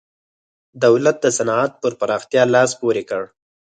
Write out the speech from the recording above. دولت د صنعت پر پراختیا لاس پورې کړ.